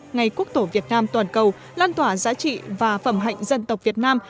ngày quốc tổ việt nam toàn cầu lan tỏa giá trị và phẩm hạnh dân tộc việt nam